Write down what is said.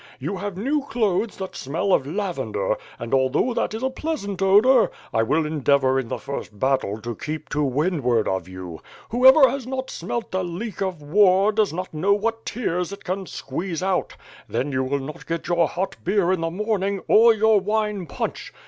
You have new clothes that smell of lavender; and, although that is a pleasant odor, 1 will endeavor in the first battle to keep to windward of you. Whoever has not smelt the leek of war does not know what tears it can squeeze out. Then you will not get your hot beer in the morning, or your wine punch.